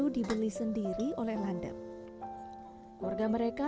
inilah bahasa cinta landep pada anak anaknya